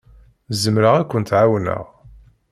Zemreɣ ad kent-ɛawneɣ.